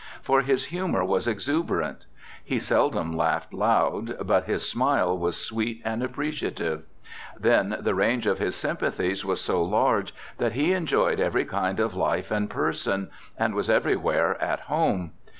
For his humor was exuberant. He seldom laughed loud, but his smile was sweet and appreciative. Then the range of his sympathies was so large, that he enjoyed every kind of life and person, and was everywhere at home.